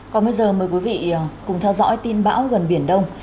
còn bây giờ mời quý vị cùng theo dõi tin bão gần biển đông